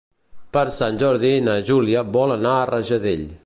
Per Sant Jordi na Júlia vol anar a Rajadell.